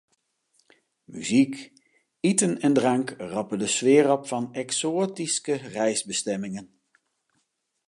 Muzyk, iten en drank roppe de sfear op fan eksoatyske reisbestimmingen.